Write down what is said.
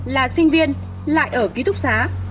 là sinh viên lại ở ký thúc giá